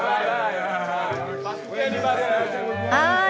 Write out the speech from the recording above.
はい。